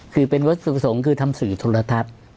คือเป็นวัตถุประสงค์คือทำสื่อโทรทัศน์